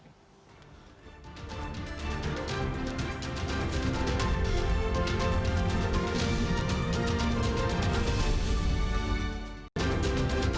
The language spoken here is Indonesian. mas eko terima kasih